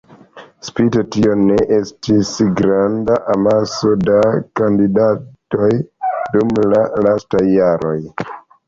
Spite tion ne estis granda amaso da kandidatoj dum la lastaj jaroj.